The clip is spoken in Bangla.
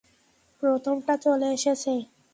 প্রথমটা চলে এসেছে!